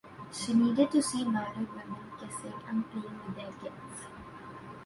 She needed to see married women kissing and playing with their kids.